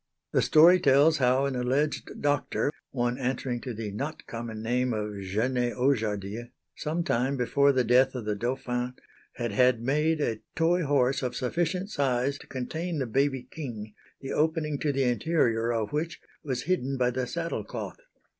The story tells how an alleged doctor, one answering to the not common name of Jenais Ojardias, some time before the death of the Dauphin had had made a toy horse of sufficient size to contain the baby king, the opening to the interior of which was hidden by the saddle cloth.